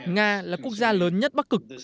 nga là quốc gia lớn nhất bắc cực